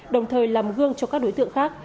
đồng thời làm gương cho các đối tượng khác